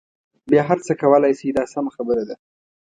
بیا هر څه کولای شئ دا سمه خبره ده.